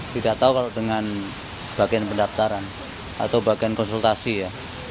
tidak tahu kalau dengan bagian pendaftaran atau bagian konsultasi ya